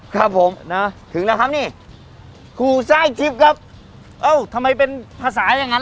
ครับผมนะถึงแล้วครับนี่ครูสร้างทิพย์ครับเอ้าทำไมเป็นภาษาอย่างนั้น